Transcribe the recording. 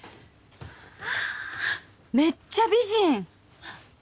ああめっちゃ美人！